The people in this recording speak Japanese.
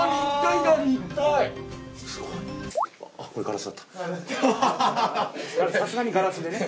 さすがにガラスでね。